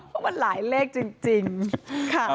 เพราะมันหลายเลขจริงค่ะ